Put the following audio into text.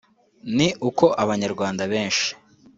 ni uko abanyarwanda benshi